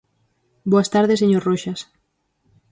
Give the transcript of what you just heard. Boas tardes, señor Roxas.